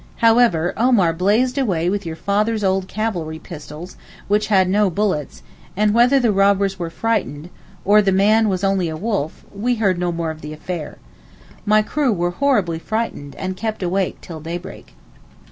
However, Omar blazed away with your father's old cavalry pistols (which had no bullets) and whether the robbers were frightened, or the man was only a wolf, we heard no more of the affair. My crew were horribly frightened, and kept awake till daybreak.